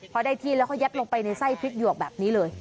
พอได้ที่แล้วเขายัดลงไปในไส้พริกหยวกแบบนี้เลย